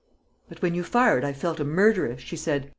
"But when you fired I felt a murderess," she said.